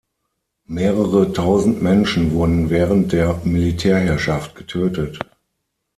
Mehrere tausend Menschen wurden während der Militärherrschaft getötet.